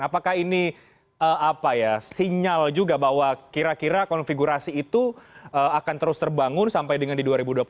apakah ini sinyal juga bahwa kira kira konfigurasi itu akan terus terbangun sampai dengan di dua ribu dua puluh empat